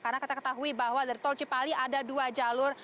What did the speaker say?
karena kita ketahui bahwa dari tol cipali ada dua jalur